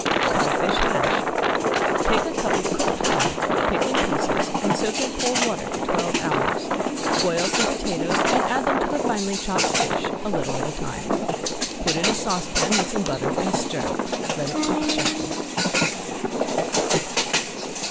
~CODFISH HASH~ Take a cup of cooked cod, pick in pieces and soak in cold water for twelve hours. Boil some potatoes and add them to the finely chopped fish, a little at a time. Put in a saucepan with some butter and stir. Let it cook gently.